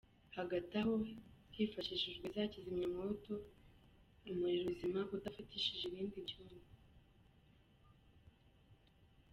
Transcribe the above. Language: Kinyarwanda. Hagatai aho, hifashishijwe za kizimyamwoto nto, umuriro uzima udafatishije ibindi byumba.